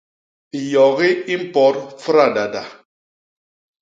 Yogi i mpot fradada.